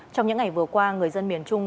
trong những ngày vừa qua người dân miền trung